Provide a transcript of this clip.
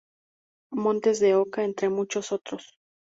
Montes de Oca, entre muchos otros.